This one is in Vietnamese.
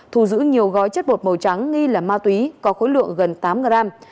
thù giữ nhiều gói chất bột màu trắng nghi là ma túy có khối lượng gần tám gram